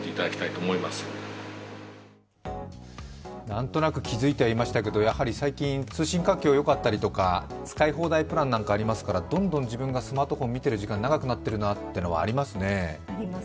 何となく気付いてはいましたけれども、やはり最近、通信環境がよかったりとか使い放題プランなんかありますから、どんどん自分がスマートフォンを見ている時間長くなっているなというのはありますね。